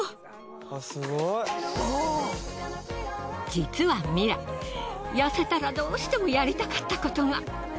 実はミラ痩せたらどうしてもやりたかったことが。